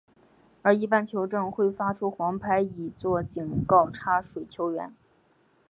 而一般球证会发出黄牌以作警告插水球员。